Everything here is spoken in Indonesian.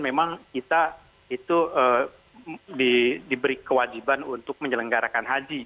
memang kita itu diberi kewajiban untuk menyelenggarakan haji